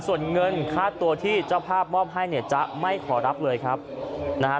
ส่วนเงินค่าตัวที่เจ้าภาพมอบให้เนี่ยจะไม่ขอรับเลยครับนะฮะ